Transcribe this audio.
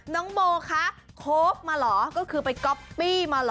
น้องโบคะโค้กมาเหรอก็คือไปก๊อปปี้มาเหรอ